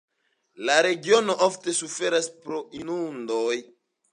La regiono ofte suferas pro inundoj.